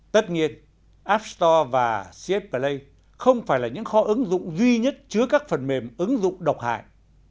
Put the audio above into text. tất nhiên app store và cs play không phải là những kho ứng dụng duy nhất chứa các phần mềm ứng dụng độc hại